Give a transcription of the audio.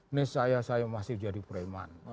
ini saya saya masih jadi preman